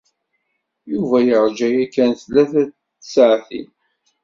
Yuba yerǧa yakan tlata n tsaɛtin.